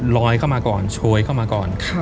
เข้ามาก่อนโชยเข้ามาก่อน